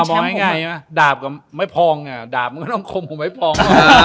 แบบดาบกับไม่พองดาบมันก็ต้องคมผมไหมพอง